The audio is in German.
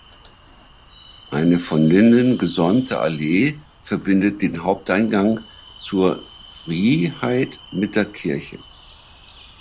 Eine von Linden gesäumte Allee verbindet den Haupteingang zur "Vrijheid" mit der Kirche.